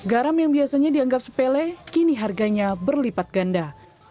garam yang biasanya dianggap sepele kini harganya berlipat ganda